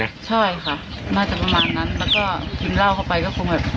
ใช่ค่ะน่าจะประมาณนั้นแล้วก็กินเหล้าเข้าไปก็คงแบบ